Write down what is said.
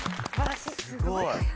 すごい。